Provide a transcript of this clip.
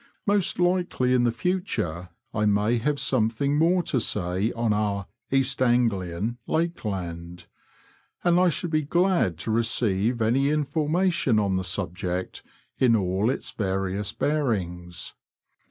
Most likely in the future 1 may have something more to say on our " East Anglian Lakeland," and I should be glad to receive any information on the subject in all its various bearings.